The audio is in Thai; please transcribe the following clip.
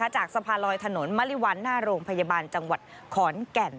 จากสะพานลอยถนนมริวัลหน้าโรงพยาบาลจังหวัดขอนแก่น